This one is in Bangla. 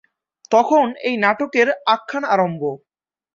তখন এই নাটকের আখ্যান আরম্ভ।